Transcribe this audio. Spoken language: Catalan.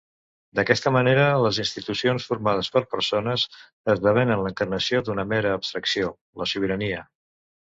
D'aquesta manera les institucions —formades per persones— esdevenen l'encarnació d'una mera abstracció, la Sobirania.